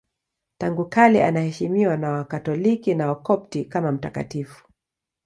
Tangu kale anaheshimiwa na Wakatoliki na Wakopti kama mtakatifu.